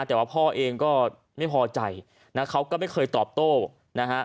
แต่ว่าพ่อเองก็ไม่พอใจนะเขาก็ไม่เคยตอบโต้นะฮะ